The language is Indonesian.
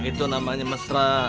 itu namanya mesra